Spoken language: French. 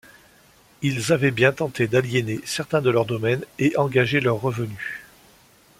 Ils avaient bien tenté d'aliéner certains de leurs domaines et engager leurs revenus.